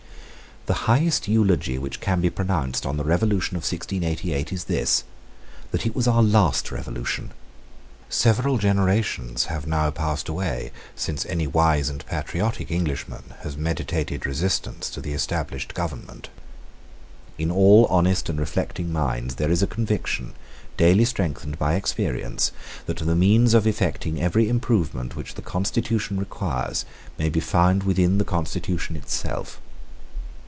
The highest eulogy which can be pronounced on the revolution of 1688 is this, that it was our last revolution. Several generations have now passed away since any wise and patriotic Englishman has meditated resistance to the established government. In all honest and reflecting minds there is a conviction, daily strengthened by experience, that the means of effecting every improvement which the constitution requires may be found within the constitution itself.